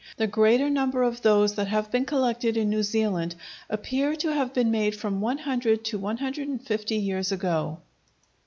The greater number of those that have been collected in New Zealand appear to have been made from one hundred to one hundred and fifty years ago.